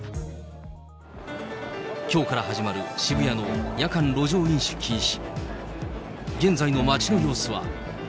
きょうから始まる渋谷の夜間路上飲酒禁止。